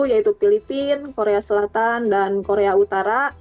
yaitu filipina korea selatan dan korea utara